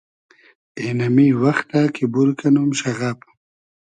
اېنئمی وئختۂ کی بور کئنوم شئغئب